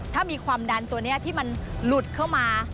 ถ้ามีความดันตัวนี้ที่มันหลุดเข้ามา